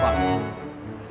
lo yang nggak mau lepas